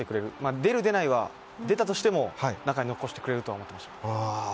出る、出ないは出たとしても中に残してくれると思ってました。